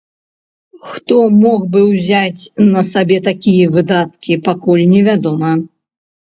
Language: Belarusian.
Хто мог бы ўзяць на сабе такія выдаткі, пакуль не вядома.